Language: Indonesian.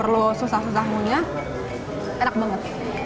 lembut enak banget